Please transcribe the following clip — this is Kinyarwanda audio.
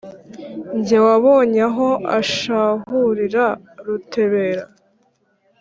-"Jye wabonye aho ashahurira Rutebera,